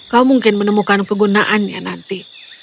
kau mungkin menemukan kegunaannya nanti